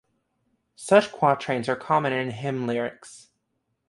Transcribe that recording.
Such quatrains are common in hymn lyrics.